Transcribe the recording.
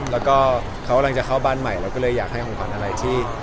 แล้วก็เขากำลังจะเข้าบ้านใหม่เราก็เลยอยากให้ของขวัญอะไรที่